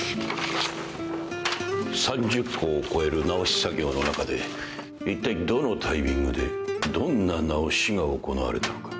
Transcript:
３０稿を超える直し作業の中でいったいどのタイミングでどんな直しが行われたのか。